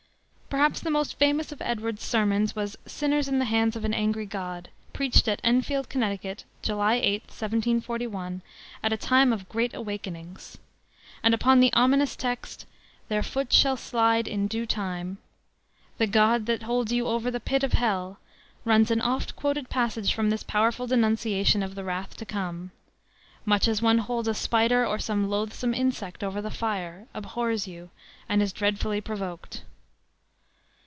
Perhaps the most famous of Edwards's sermons was Sinners in the Hands of an Angry God, preached at Enfield, Conn., July 8, 1741, "at a time of great awakenings," and upon the ominous text, Their foot shall slide in due time. "The God that holds you over the pit of hell" runs an oft quoted passage from this powerful denunciation of the wrath to come, "much as one holds a spider or some loathsome insect over the fire, abhors you, and is dreadfully provoked.